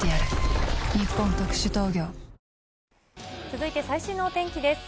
続いて、最新のお天気です。